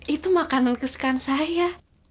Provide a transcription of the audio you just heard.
itu makanan kesukaan saya